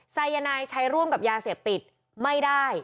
สายนายใช้ร่วมกับยาเสพติดไม่ได้